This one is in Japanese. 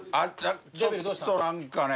ちょっと何かね。